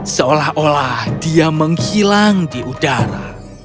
seolah olah dia menghilang di udara